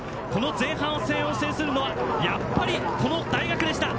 前半戦を制するのはやっぱりこの大学でした！